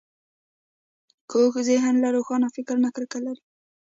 کوږ ذهن له روښان فکر نه کرکه لري